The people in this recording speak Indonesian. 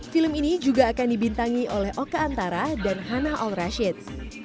film ini juga akan dibintangi oleh oka antara dan hana al rashid